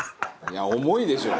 「いや重いでしょ」